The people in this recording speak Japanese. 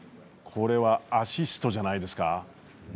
これはアシストじゃないですか。